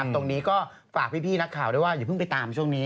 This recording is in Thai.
ตรงนี้ก็ฝากพี่นักข่าวด้วยว่าอย่าเพิ่งไปตามช่วงนี้